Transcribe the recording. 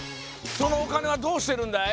そのお金はどうしてるんだい？